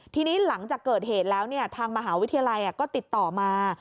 ทีนี้หลังจากเกิดเหตุแล้วทางมหาวิทยาลัยก็ติดต่อมา